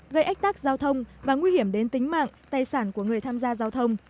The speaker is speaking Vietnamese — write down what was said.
gây ách tắc giao thông và nguy hiểm đến tính mạng tài sản của người tham gia giao thông